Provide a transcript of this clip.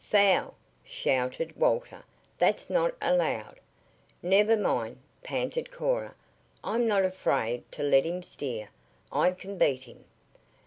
"Foul!" shouted Walter. "That's not allowed!" "Never mind!" panted Cora. "I'm not afraid to let him steer. I can beat him!"